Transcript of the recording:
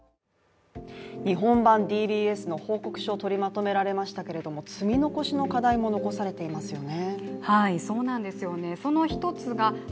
日本版ＤＢＳの報告書、取りまとめられましたけど積み残しの課題も残されていますよね。